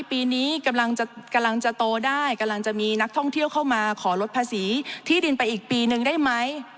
ปีนี้กำลังจะกำลังจะโตได้กำลังจะมีนักท่องเที่ยวเข้ามาขอลดภาษีที่ดินไปอีกปีนึงได้ไหม